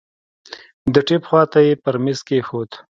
د ټېپ خوا ته يې پر ميز کښېښود.